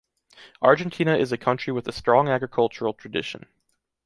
Argentina is a country with a strong agricultural tradition.